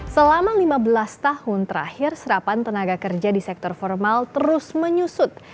selama lima belas tahun terakhir serapan tenaga kerja di sektor formal terus menyusut